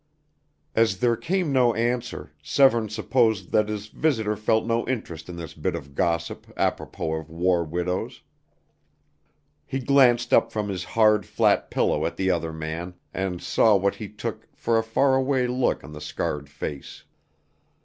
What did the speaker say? As there came no answer, Severne supposed that his visitor felt no interest in this bit of gossip apropos of war widows. He glanced up from his hard, flat pillow at the other man, and saw what he took for a far away look on the scarred face.